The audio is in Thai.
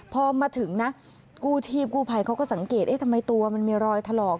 พอมาถึงนะกู้ชีพกู้ภัยเขาก็สังเกตเอ๊ะทำไมตัวมันมีรอยถลอก